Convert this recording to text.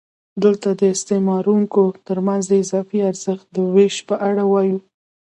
دلته د استثماروونکو ترمنځ د اضافي ارزښت د وېش په اړه وایو